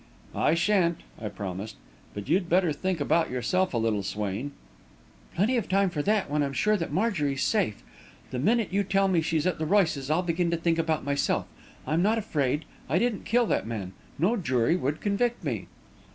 "I shan't," I promised. "But you'd better think about yourself a little, Swain." "Plenty of time for that when I'm sure that Marjorie's safe. The minute you tell me she's at the Royces', I'll begin to think about myself. I'm not afraid. I didn't kill that man. No jury would convict me."